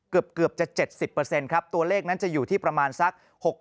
เกือบจะ๗๐ครับตัวเลขนั้นจะอยู่ที่ประมาณสัก๖๐